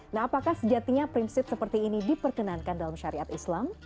nah apakah sejatinya prinsip seperti ini diperkenankan dalam syariat islam